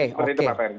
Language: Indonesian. seperti itu pak heri